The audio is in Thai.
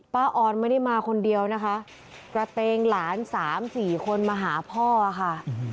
ออนไม่ได้มาคนเดียวนะคะกระเตงหลานสามสี่คนมาหาพ่อค่ะ